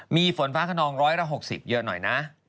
มีฝนฟ้าขนองร้อยละ๖๐เยอะหน่อยนะ